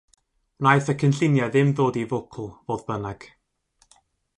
Wnaeth y cynlluniau ddim dod i fwcl, fodd bynnag.